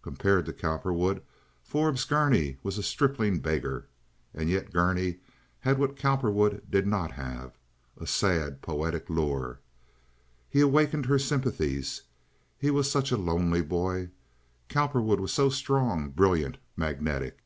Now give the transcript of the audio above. Compared to Cowperwood, Forbes Gurney was a stripling beggar, and yet Gurney had what Cowperwood did not have—a sad, poetic lure. He awakened her sympathies. He was such a lonely boy. Cowperwood was so strong, brilliant, magnetic.